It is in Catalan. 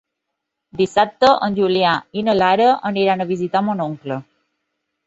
Dissabte en Julià i na Lara aniran a visitar mon oncle.